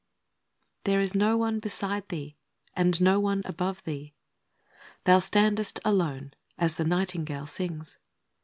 HERE is no one beside thee, and no one above thee: Thou standest alone, as the nightingale sings!